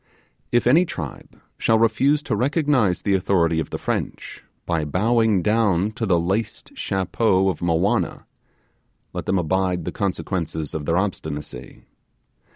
If any tribe shall refuse to recognize the authority of the French, by bowing down to the laced chapeau of Mowanna, let them abide the consequences of their obstinacy.